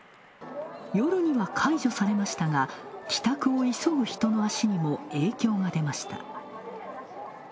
夜には解除されましたが、帰宅を急ぐ人の足にも影響が出ました。